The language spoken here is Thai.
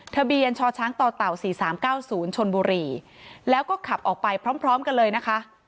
ทะเบียนชอช้างต่อเต่าสี่สามเก้าศูนย์ชนบุรีแล้วก็ขับออกไปพร้อมพร้อมกันเลยนะคะ